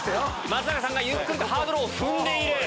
松坂さんがゆっくりとハードルを踏んでいる。